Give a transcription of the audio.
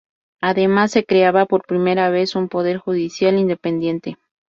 Además, se creaba por primera vez un poder judicial independiente.